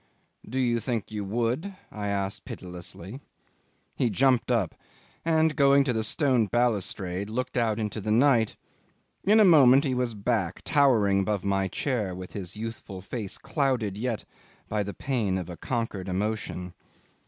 ... "Do you think you would?" I asked pitilessly. He jumped up, and going to the stone balustrade looked out into the night. In a moment he was back, towering above my chair with his youthful face clouded yet by the pain of a conquered emotion.